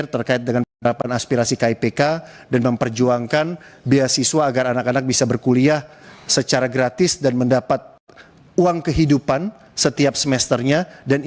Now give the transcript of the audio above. terkait dengan uang kehidupan